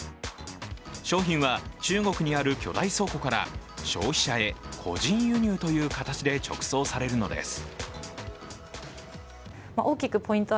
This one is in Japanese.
商品は中国にある巨大倉庫から消費者へ個人輸入という形で直送されるのです。